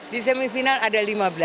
di semifinal ada lima belas